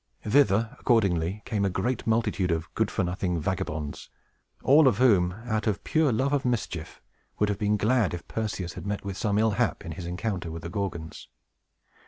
Thither, accordingly, came a great multitude of good for nothing vagabonds, all of whom, out of pure love of mischief, would have been glad if Perseus had met with some ill hap in his encounter with the Gorgons.